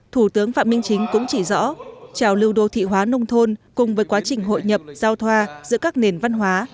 thủ tướng phạm minh chính cũng chỉ rõ trào lưu đô thị hóa nông thôn cùng với quá trình hội nhập giao thoa giữa các nền văn hóa